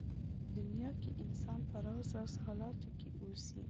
دنيا کې انسان په راز راز حالاتو کې اوسي.